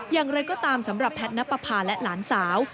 อย่างไรก็ตามสำหรับแพทย์นับประพาและหลานสาว